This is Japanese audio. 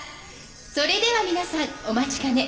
それでは皆さんお待ちかね。